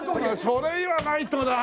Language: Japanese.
それ言わないとな。